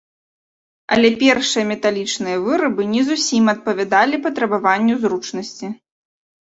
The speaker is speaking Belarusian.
Але першыя металічныя вырабы не зусім адпавядалі патрабаванню зручнасці.